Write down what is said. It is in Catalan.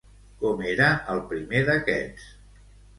Com era el primer d'aquests?